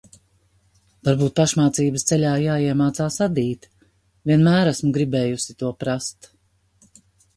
Varbūt pašmācības ceļā jāiemācās adīt? Vienmēr esmu gribējusi to prast.